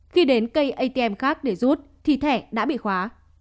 khi đến cây atm khác để rút thì thẻ đã bị khóa